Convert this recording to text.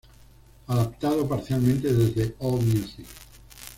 Adaptado parcialmente desde "AllMusic".